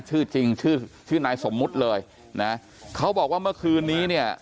ชื่อจริงชื่อชื่อนายสมมุติเลยนะเขาบอกว่าเมื่อคืนนี้เนี่ย